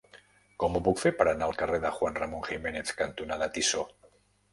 Com ho puc fer per anar al carrer Juan Ramón Jiménez cantonada Tissó?